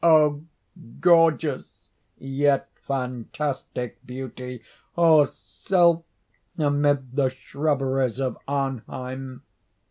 Oh, gorgeous yet fantastic beauty! Oh, sylph amid the shrubberies of Arnheim!